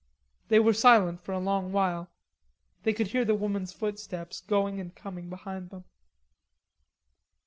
They were silent for a long while. They could hear the woman's footsteps going and coming behind them.